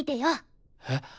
えっ。